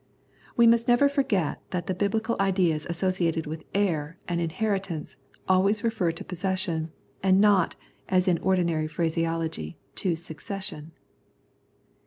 We must never forget that the BibUcal ideas associated with " heir " and " in heritance " always refer to possession, and not, as in ordinary phraseology, to succession.